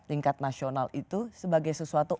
tingkat nasional itu sebagai sesuatu